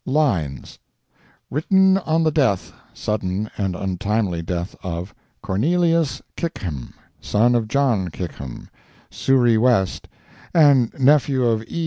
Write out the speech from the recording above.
LINES Written on the death—sudden and untimely death of—Cornelius Kickham, son of John Kickham, Souris West, and nephew of E.